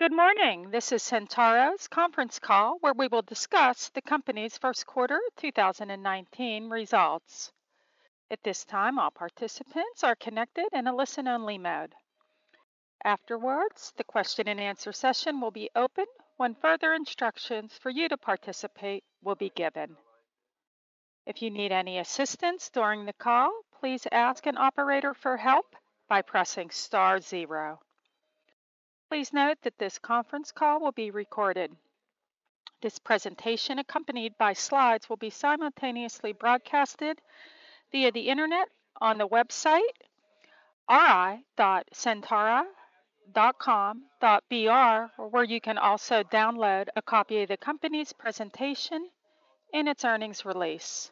Good morning. This is Centauro's conference call where we will discuss the company's first quarter 2019 results. At this time, all participants are connected in a listen only mode. Afterwards, the question and answer session will be open when further instructions for you to participate will be given. If you need any assistance during the call, please ask an operator for help by pressing star 0. Please note that this conference call will be recorded. This presentation, accompanied by slides, will be simultaneously broadcasted via the internet on the website ri.centauro.com.br, where you can also download a copy of the company's presentation and its earnings release.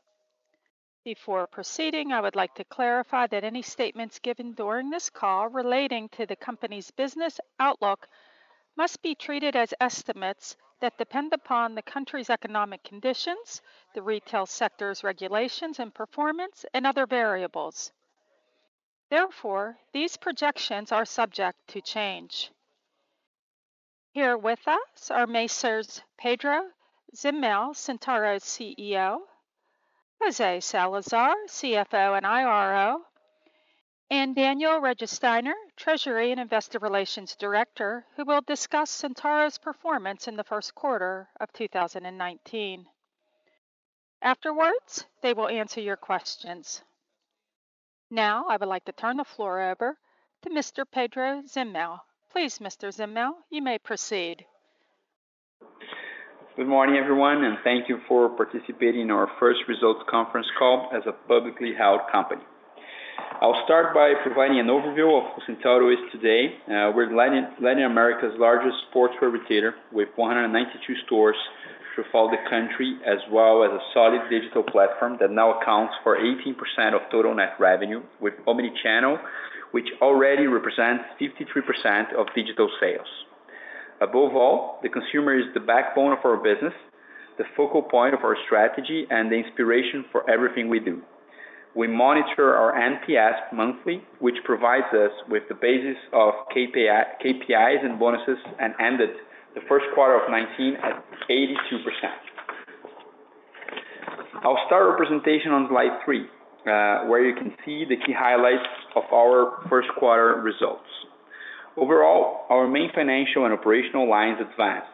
Before proceeding, I would like to clarify that any statements given during this call relating to the company's business outlook must be treated as estimates that depend upon the country's economic conditions, the retail sector's regulations and performance, and other variables. Therefore, these projections are subject to change. Here with us are Messrs. Pedro Zemel, Centauro's CEO, José Salazar, CFO and IRO, and Daniel Regensteiner, treasury and investor relations director, who will discuss Centauro's performance in the first quarter of 2019. Afterwards, they will answer your questions. I would like to turn the floor over to Mr. Pedro Zemel. Please, Mr. Zemel, you may proceed. Good morning, everyone, thank you for participating in our first results conference call as a publicly held company. I'll start by providing an overview of who Centauro is today. We're Latin America's largest sportswear retailer with 192 stores throughout the country, as well as a solid digital platform that now accounts for 18% of total net revenue with omni-channel, which already represents 53% of digital sales. Above all, the consumer is the backbone of our business, the focal point of our strategy, and the inspiration for everything we do. We monitor our NPS monthly, which provides us with the basis of KPIs and bonuses, and ended the first quarter of 2019 at 82%. I'll start our presentation on slide three, where you can see the key highlights of our first quarter results. Overall, our main financial and operational lines advanced.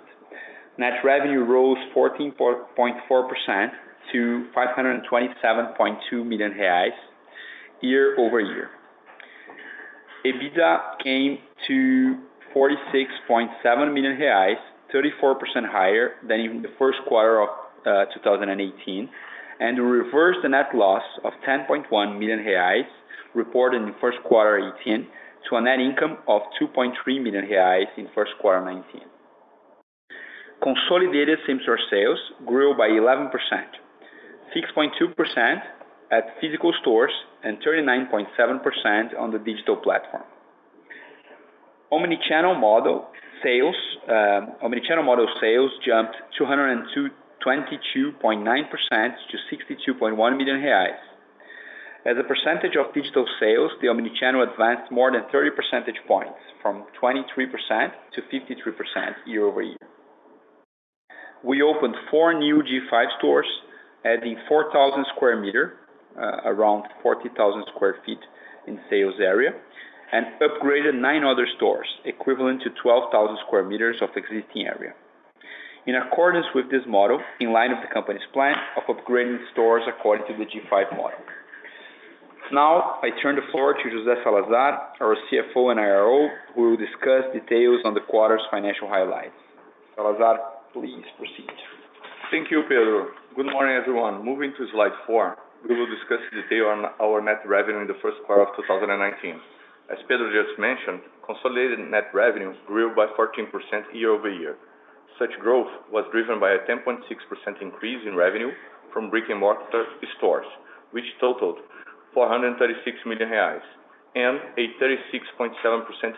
Net revenue rose 14.4% to BRL 527.2 million year-over-year. EBITDA came to 46.7 million reais, 34% higher than in the first quarter of 2018. We reversed a net loss of 10.1 million reais reported in the first quarter 2018 to a net income of 2.3 million reais in first quarter 2019. Consolidated same store sales grew by 11%, 6.2% at physical stores and 39.7% on the digital platform. Omni-channel model sales jumped 222.9% to 62.1 million reais. As a percentage of digital sales, the omni-channel advanced more than 30 percentage points from 23% to 53% year-over-year. We opened four new G5 stores adding 4,000 sq m, around 40,000 sq ft in sales area, and upgraded nine other stores equivalent to 12,000 sq m of existing area. In accordance with this model, in line of the company's plan of upgrading stores according to the G5 model. Now, I turn the floor to José Salazar, our CFO and IRO, who will discuss details on the quarter's financial highlights. Salazar, please proceed. Thank you, Pedro. Good morning, everyone. Moving to slide four, we will discuss the detail on our net revenue in the first quarter of 2019. As Pedro just mentioned, consolidated net revenue grew by 14% year-over-year. Such growth was driven by a 10.6% increase in revenue from brick-and-mortar stores, which totaled 436 million reais and a 36.7%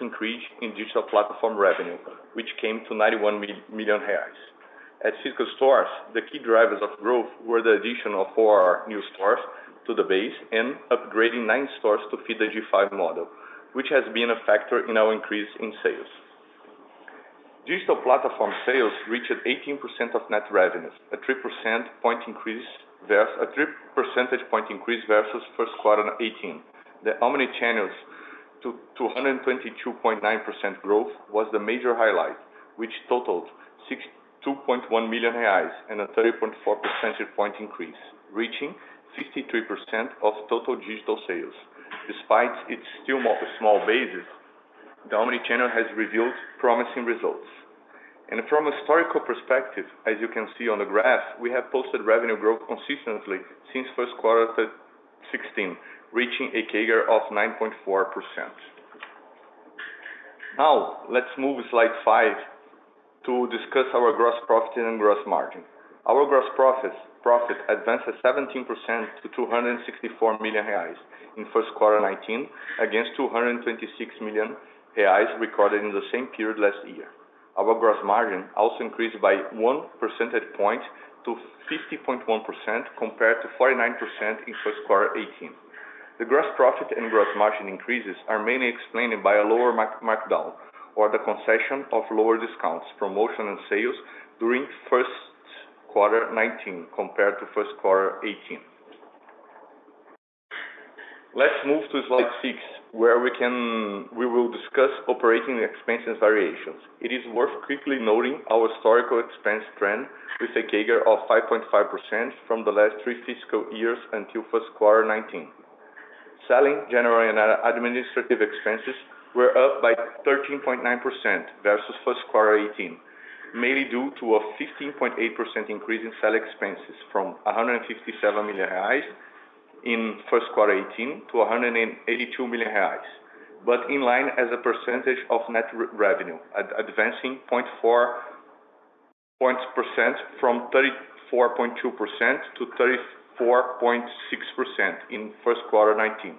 increase in digital platform revenue, which came to 91 million reais. At physical stores, the key drivers of growth were the addition of four new stores to the base and upgrading nine stores to fit the G5 model, which has been a factor in our increase in sales. Digital platform sales reached 18% of net revenues, a three percentage point increase versus first quarter 2018. The omni-channels to 222.9% growth was the major highlight, which totaled 62.1 million reais and a 30.4 percentage point increase, reaching 53% of total digital sales. Despite its still small basis, the omni-channel has revealed promising results. From a historical perspective, as you can see on the graph, we have posted revenue growth consistently since first quarter 2016, reaching a CAGR of 9.4%. Now, let's move to slide five to discuss our gross profit and gross margin. Our gross profit advanced 17% to 264 million reais in first quarter 2019 against 226 million reais recorded in the same period last year. Our gross margin also increased by one percentage point to 50.1% compared to 49% in first quarter 2018. The gross profit and gross margin increases are mainly explained by a lower markdown or the concession of lower discounts, promotion and sales during first quarter 2019 compared to first quarter 2018. Let's move to slide six, where we will discuss operating expenses variations. It is worth quickly noting our historical expense trend with a CAGR of 5.5% from the last three fiscal years until first quarter 2019. Selling general and administrative expenses were up by 13.9% versus first quarter 2018, mainly due to a 15.8% increase in sell expenses from 157 million reais in first quarter 2018 to 182 million reais. In line as a percentage of net revenue, advancing 0.4% from 34.2% to 34.6% in first quarter 2019.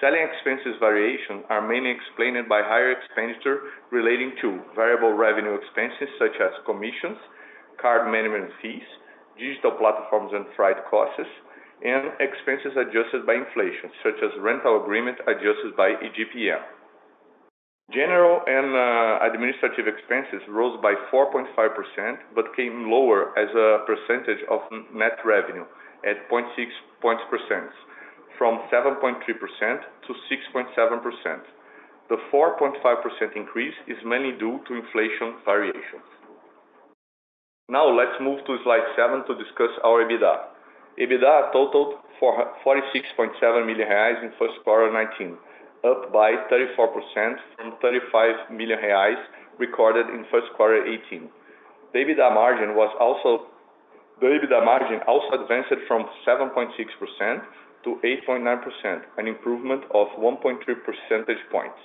Selling expenses variation are mainly explained by higher expenditure relating to variable revenue expenses such as commissions, card management fees, digital platforms and freight costs, and expenses adjusted by inflation, such as rental agreement adjusted by IGPM. General and administrative expenses rose by 4.5%, but came lower as a percentage of net revenue at 0.6% from 7.3% to 6.7%. The 4.5% increase is mainly due to inflation variations. Let's move to slide seven to discuss our EBITDA. EBITDA totaled 46.7 million reais in first quarter 2019, up by 34% from 35 million reais recorded in first quarter 2018. The EBITDA margin also advanced from 7.6% to 8.9%, an improvement of 1.3 percentage points.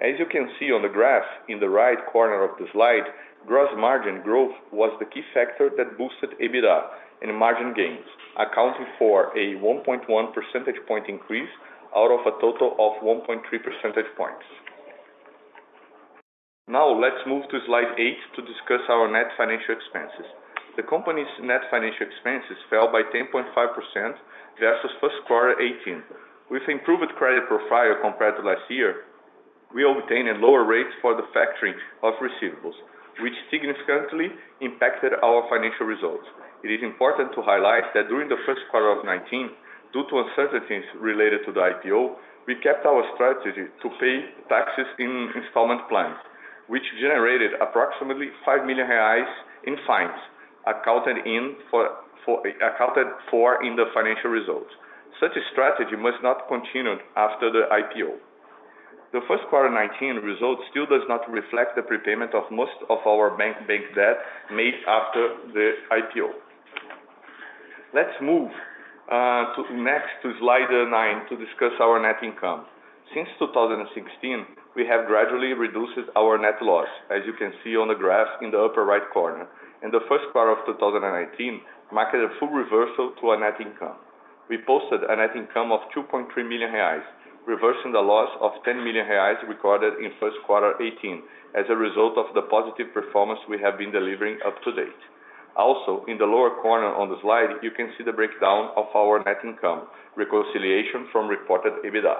As you can see on the graph in the right corner of the slide, gross margin growth was the key factor that boosted EBITDA and margin gains, accounting for a 1.1 percentage point increase out of a total of 1.3 percentage points. Let's move to slide eight to discuss our net financial expenses. The company's net financial expenses fell by 10.5% versus first quarter 2018. With improved credit profile compared to last year, we obtained lower rates for the factoring of receivables, which significantly impacted our financial results. It is important to highlight that during the first quarter of 2019, due to uncertainties related to the IPO, we kept our strategy to pay taxes in installment plans, which generated approximately 5 million reais in fines accounted for in the financial results. Such a strategy must not continue after the IPO. The first quarter 2019 results still does not reflect the prepayment of most of our bank debt made after the IPO. Let's move next to slide nine to discuss our net income. Since 2016, we have gradually reduced our net loss, as you can see on the graph in the upper right corner, and the first quarter of 2019 marked a full reversal to a net income. We posted a net income of 2.3 million reais, reversing the loss of 10 million reais recorded in first quarter 2018 as a result of the positive performance we have been delivering up to date. Also, in the lower corner on the slide, you can see the breakdown of our net income reconciliation from reported EBITDA.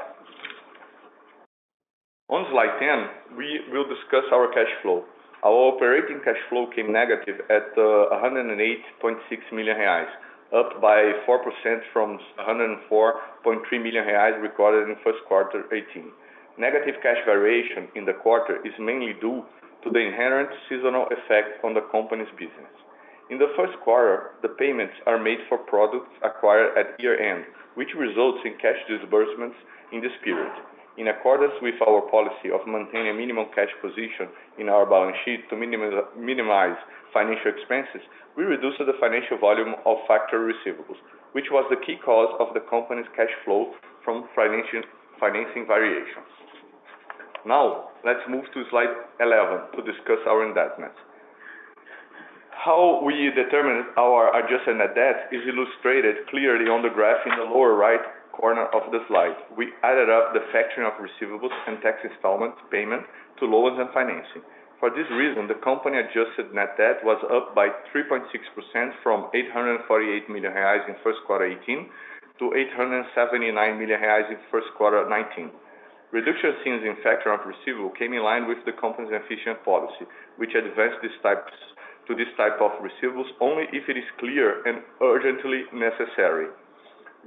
On slide 10, we will discuss our cash flow. Our operating cash flow came negative at 108.6 million reais, up by 4% from 104.3 million reais recorded in first quarter 2018. Negative cash variation in the quarter is mainly due to the inherent seasonal effect on the company's business. In the first quarter, the payments are made for products acquired at year-end, which results in cash disbursements in this period. In accordance with our policy of maintaining a minimum cash position in our balance sheet to minimize financial expenses, we reduced the financial volume of factor receivables, which was the key cause of the company's cash flow from financing variations. Let's move to slide 11 to discuss our indebtedness. How we determine our adjusted net debt is illustrated clearly on the graph in the lower right corner of the slide. We added up the factoring of receivables and tax installment payment to loans and financing. For this reason, the company-adjusted net debt was up by 3.6% from 848 million reais in first quarter 2018 to 879 million reais in first quarter 2019. Reduction fees in factor of receivable came in line with the company's efficient policy, which advanced to this type of receivables only if it is clear and urgently necessary,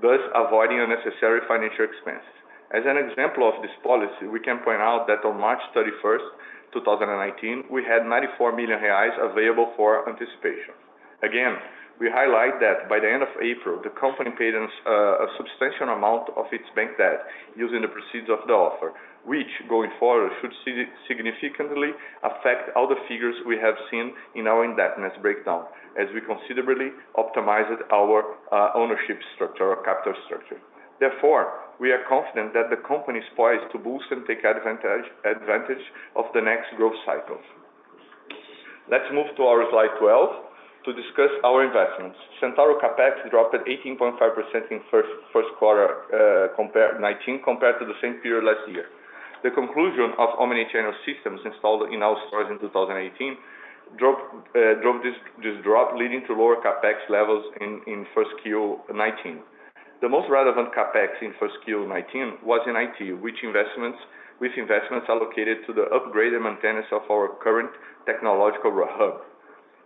thus avoiding unnecessary financial expenses. As an example of this policy, we can point out that on March 31st, 2019, we had 94 million reais available for anticipation. Again, we highlight that by the end of April, the company paid a substantial amount of its bank debt using the proceeds of the offer, which, going forward, should significantly affect all the figures we have seen in our indebtedness breakdown as we considerably optimized our ownership structure or capital structure. We are confident that the company is poised to boost and take advantage of the next growth cycles. Let's move to our slide 12 to discuss our investments. Centauro CapEx dropped 18.5% in first quarter 2019 compared to the same period last year. The conclusion of omni-channel systems installed in our stores in 2018 Drop this drop leading to lower CapEx levels in first quarter 2019. The most relevant CapEx in first quarter 2019 was in IT, which investments allocated to the upgrade and maintenance of our current technological hub.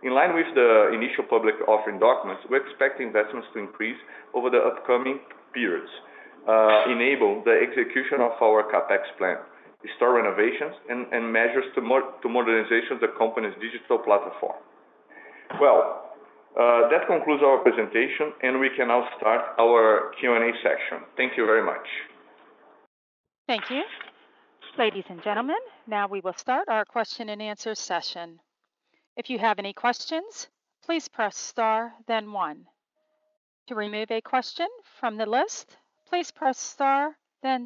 In line with the Initial Public Offering documents, we expect investments to increase over the upcoming periods, enable the execution of our CapEx plan, store renovations and measures to modernization of the company's digital platform. Well, that concludes our presentation, and we can now start our Q&A session. Thank you very much. Thank you. Ladies and gentlemen, now we will start our question and answer session. If you have any questions, please press star one. To remove a question from the list, please press star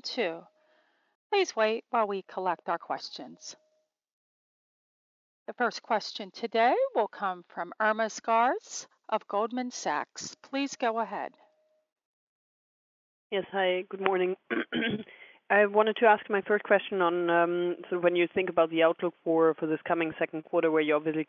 two. Please wait while we collect our questions. The first question today will come from Irma Sgarz of Goldman Sachs. Please go ahead. Yes. Hi, good morning. I wanted to ask my first question on, when you think about the outlook for this coming second quarter where you obviously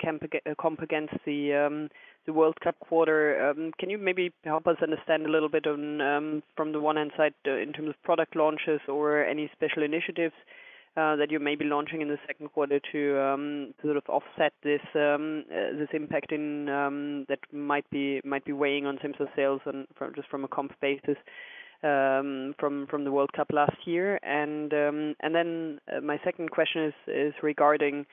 comp against the World Cup quarter, can you maybe help us understand a little bit on, from the one hand side, in terms of product launches or any special initiatives that you may be launching in the second quarter to sort of offset this impact that might be weighing on same store sales and just from a comp basis from the World Cup last year. My second question is regarding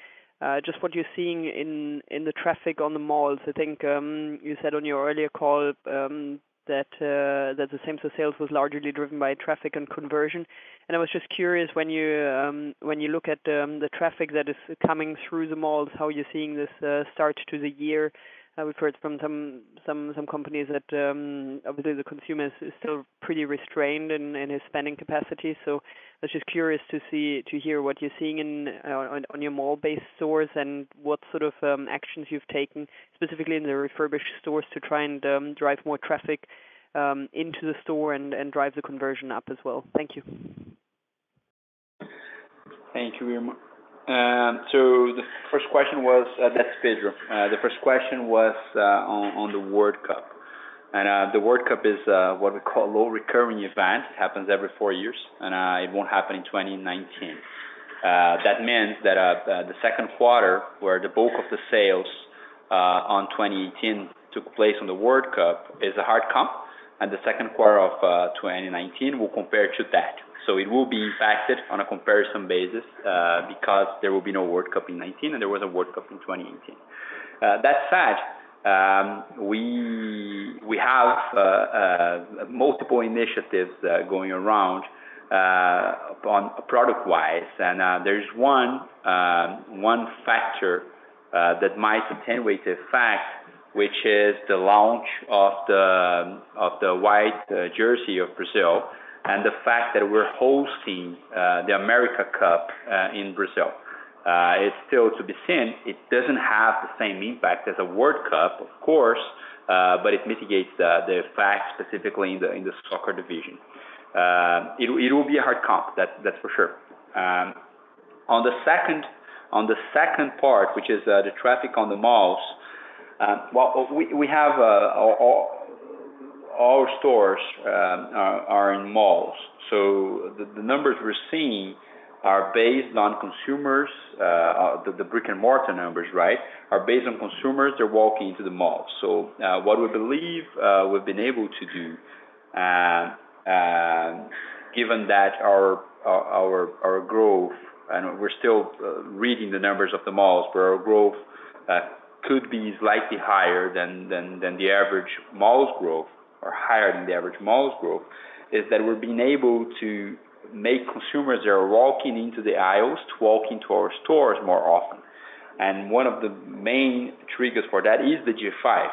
just what you're seeing in the traffic on the malls. I think you said on your earlier call that the same store sales was largely driven by traffic and conversion. I was just curious, when you look at the traffic that is coming through the malls, how you're seeing this start to the year. I've heard from some companies that obviously the consumer is still pretty restrained in his spending capacity. I was just curious to hear what you're seeing on your mall-based stores and what sort of actions you've taken, specifically in the refurbished stores to try and drive more traffic into the store and drive the conversion up as well. Thank you. Thank you very much. That's Pedro. The first question was on the World Cup. The World Cup is what we call low recurring event, happens every four years, and it won't happen in 2019. That means that the second quarter, where the bulk of the sales on 2018 took place on the World Cup is a hard comp, and the second quarter of 2019 will compare to that. It will be impacted on a comparison basis because there will be no World Cup in 2019, and there was a World Cup in 2018. That said, we have multiple initiatives going around product wise. There's one factor that might attenuate the fact, which is the launch of the white jersey of Brazil and the fact that we're hosting the Copa America in Brazil. It's still to be seen. It doesn't have the same impact as a World Cup, of course, but it mitigates the fact, specifically in the soccer division. It will be a hard comp, that's for sure. On the second part, which is the traffic on the malls. Our stores are in malls. The numbers we're seeing are based on consumers. The brick-and-mortar numbers, right, are based on consumers that walk into the malls. What we believe we've been able to do given that our growth, and we're still reading the numbers of the malls, but our growth could be slightly higher than the average malls growth or higher than the average malls growth, is that we're being able to make consumers that are walking into the aisles to walk into our stores more often. One of the main triggers for that is the G5.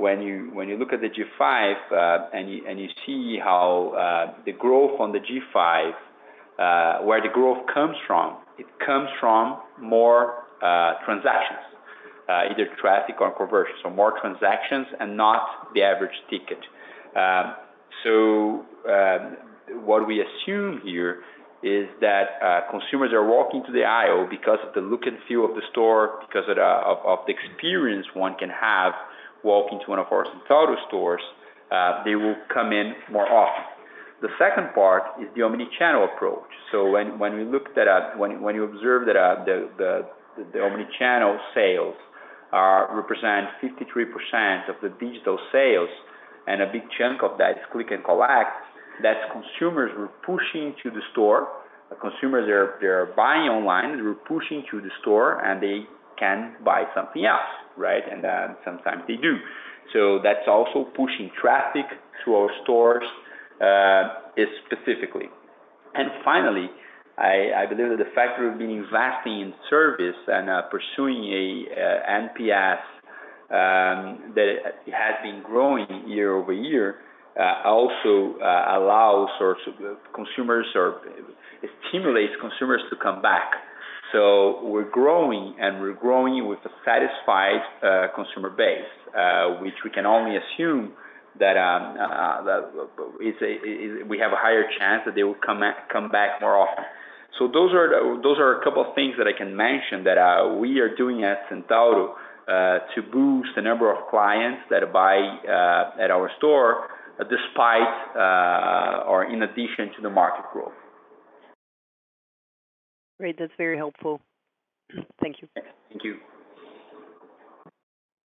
When you look at the G5 and you see how the growth on the G5, where the growth comes from. It comes from more transactions, either traffic or conversion. More transactions and not the average ticket. What we assume here is that consumers are walking to the aisle because of the look and feel of the store, because of the experience one can have walking to one of our Centauro stores, they will come in more often. The second part is the omni-channel approach. When you observe that the omni-channel sales represent 53% of the digital sales and a big chunk of that is click and collect, that's consumers we're pushing to the store. The consumers, they're buying online, we're pushing to the store, and they can buy something else, right? Sometimes they do. That's also pushing traffic to our stores specifically. Finally, I believe that the factor of being vastly in service and pursuing a NPS that has been growing year-over-year also allows consumers or stimulates consumers to come back. We're growing, and we're growing with a satisfied consumer base, which we can only assume that we have a higher chance that they will come back more often. Those are a couple of things that I can mention that we are doing at Centauro to boost the number of clients that buy at our store despite or in addition to the market growth. Great. That's very helpful. Thank you. Thank you.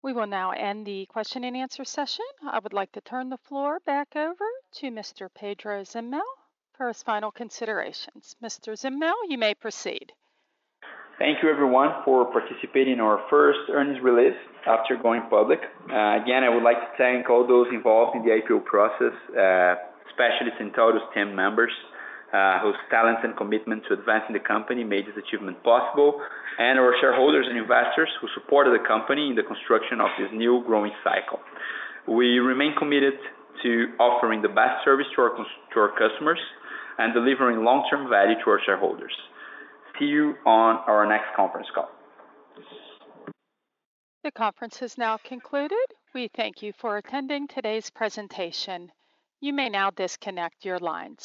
We will now end the question and answer session. I would like to turn the floor back over to Mr. Pedro Zemel for his final considerations. Mr. Zemel, you may proceed. Thank you everyone for participating in our first earnings release after going public. Again, I would like to thank all those involved in the IPO process, especially Centauro's team members, whose talents and commitment to advancing the company made this achievement possible, and our shareholders and investors who supported the company in the construction of this new growing cycle. We remain committed to offering the best service to our customers and delivering long-term value to our shareholders. See you on our next conference call. The conference is now concluded. We thank you for attending today's presentation. You may now disconnect your lines.